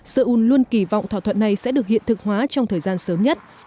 seoul luôn kỳ vọng thỏa thuận này sẽ được hiện thực hóa trong thời gian sớm nhất